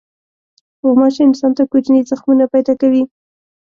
غوماشې انسان ته کوچني زخمونه پیدا کوي.